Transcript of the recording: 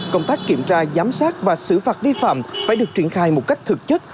công tác kiểm tra giám sát và xử phạt vi phạm phải được triển khai một cách thực chất